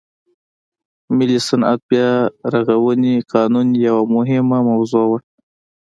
ملي صنعت بیا رغونې قانون یوه مهمه موضوع وه.